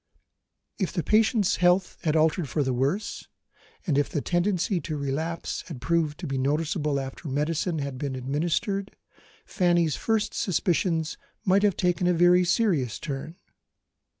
If the patient's health had altered for the worse, and if the tendency to relapse had proved to be noticeable after medicine had been administered, Fanny's first suspicions might have taken a very serious turn.